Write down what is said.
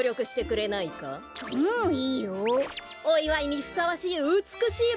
おいわいにふさわしいうつくしい